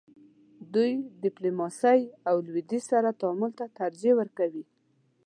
دوی ډیپلوماسۍ او لویدیځ سره تعامل ته ترجیح ورکوي.